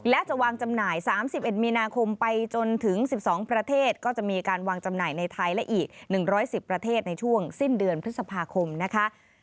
และจะวางจำหน่าย๓๑มีนาคมไปจนถึง๑๒ประเทศก็จะมีการวางจำหน่ายในไทยและอีก๑๑๐ประเทศในช่วงสิ้นเดือนพฤษภาคมนะคะ